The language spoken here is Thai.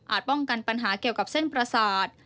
ป้องกันปัญหาเกี่ยวกับเส้นประสาท